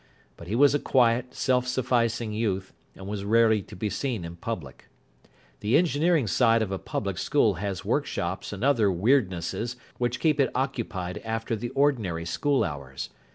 But he was a quiet, self sufficing youth, and was rarely to be seen in public. The engineering side of a public school has workshops and other weirdnesses which keep it occupied after the ordinary school hours.